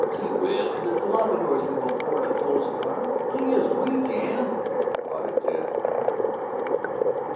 "Aw, gee whiz, if the Doppelbraus can afford a closed car, I guess we can!" prodded Ted.